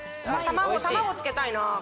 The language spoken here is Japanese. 卵つけたいなこれ。